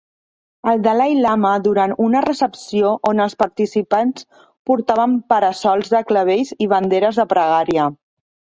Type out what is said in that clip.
El Dalai Lama durant una recepció on els participants portaven para-sols de clavells i banderes de pregària